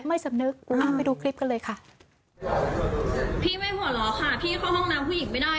ไม่สำนึกไปดูคลิปกันเลยค่ะพี่ไม่หัวเราะค่ะพี่เข้าห้องน้ำผู้หญิงไม่ได้